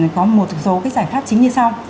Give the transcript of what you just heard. có một số giải pháp chính như sau